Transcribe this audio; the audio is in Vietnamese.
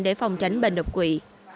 để phòng tránh bệnh độc quỷ